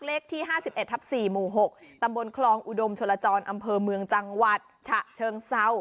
เลขที่๕๑ทับ๔หมู่๖ตำบลคลองอุดมชลจรอำเภอเมืองจังหวัดฉะเชิงเศร้า